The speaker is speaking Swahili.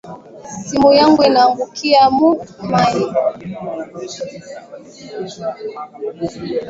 Simu yangu inaangukia mu mayi